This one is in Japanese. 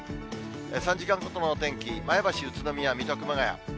３時間ごとの天気、前橋、宇都宮、水戸、熊谷。